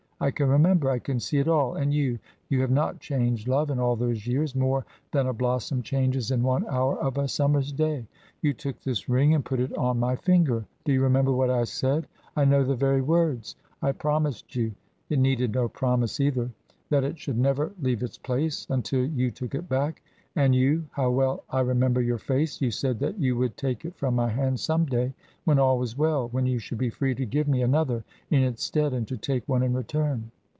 I can remember. I can see it all and you. You have not changed, love, in all those years, more than a blossom changes in one hour of a summer's day! You took this ring and put it on my finger. Do you remember what I said? I know the very words. I promised you it needed no promise either that it should never leave its place until you took it back and you how well I remember your face you said that you would take it from my hand some day, when all was well, when you should be free to give me another in its stead, and to take one in return.